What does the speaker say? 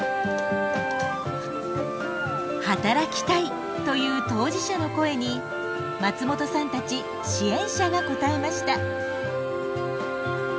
働きたいという当事者の声に松本さんたち支援者が応えました。